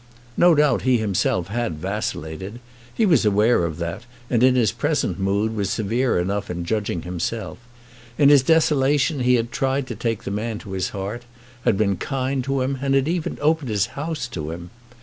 No doubt he himself had vacillated. He was aware of that, and in his present mood was severe enough in judging himself. In his desolation he had tried to take the man to his heart, had been kind to him, and had even opened his house to him.